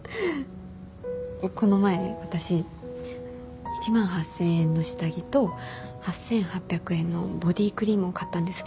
この前私１万８，０００円の下着と８，８００円のボディークリームを買ったんですけど。